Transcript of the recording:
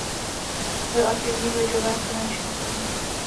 Byl aktivní v lidovém finančnictví.